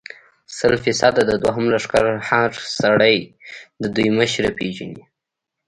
سل فیصده، د دوهم لښکر هر سړی د دوی مشره پېژني.